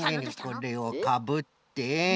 これをかぶって。